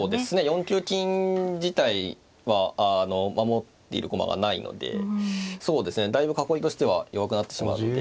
４九金自体は守っている駒がないのでそうですねだいぶ囲いとしては弱くなってしまうので。